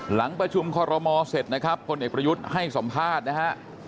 หลังประชุมคอรมอเสร็จนะครับพลเอกประยุทธ์ให้สัมภาษณ์นะฮะ